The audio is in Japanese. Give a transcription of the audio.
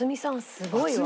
すごいわ。